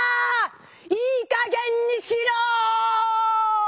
いいかげんにしろ！